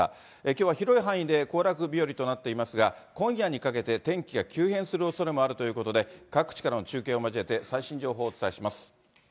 きょうは広い範囲で、行楽日和となっていますが、今夜にかけて、天気が急変するおそれがあるということで、各地からの中継を交えて、最新情報をお伝えします。